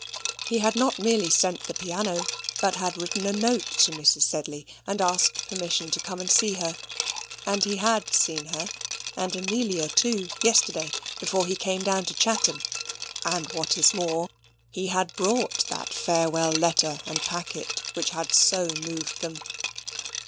He had not merely sent the piano; but had written a note to Mrs. Sedley, and asked permission to come and see her and he had seen her, and Amelia too, yesterday, before he came down to Chatham; and, what is more, he had brought that farewell letter and packet which had so moved them.